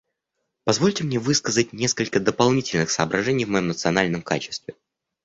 Позвольте мне высказать несколько дополнительных соображений в моем национальном качестве.